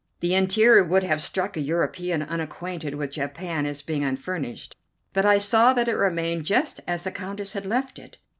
The interior would have struck a European unacquainted with Japan as being unfurnished, but I saw that it remained just as the Countess had left it.